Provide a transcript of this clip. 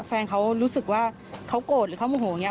แฟนเขารู้สึกว่าเขาโกรธหรือเขาโมโหอย่างนี้